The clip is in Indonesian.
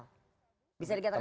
bisa dikatakan seperti itu